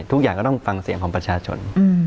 ทุกอย่างก็ต้องฟังเสียงของประชาชน